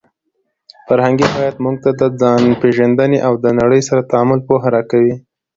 فرهنګي هویت موږ ته د ځانپېژندنې او د نړۍ سره د تعامل پوهه راکوي.